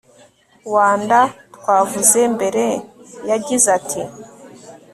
wanda twavuze mbere yagize ati